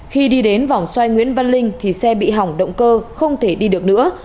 khi đi đến vòng xoay nguyễn văn linh thì xe bị hỏng động cơ không thể đi được nữa